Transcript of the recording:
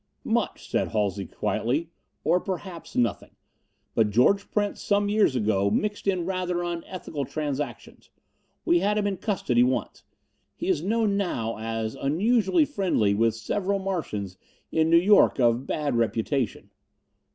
"Much," said Halsey quietly, "or perhaps nothing. But George Prince some years ago mixed in rather unethical transactions. We had him in custody once. He is known now as unusually friendly with several Martians in New York of bad reputation."